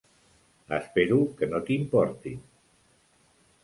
Espero que no t'importi.